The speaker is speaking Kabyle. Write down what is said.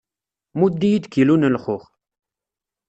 Mudd-iyi-d kilu n lxux.